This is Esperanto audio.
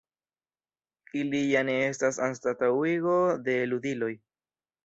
Ili ja ne estas anstataŭigo de ludiloj.